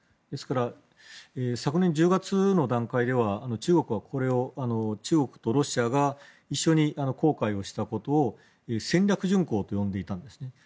ですから、昨年１０月の段階では中国はこれを、中国とロシアが一緒に航海をしたことを戦略巡航と呼んでいたんですね。